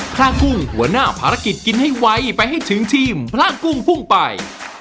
พระกุ้งหัวหน้าภารกิจกินให้ไวไปให้ถึงทีมพระกุ้งพุ่งไป